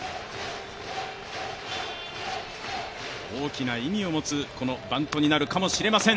大きな意味を持つバントになるかもしれません。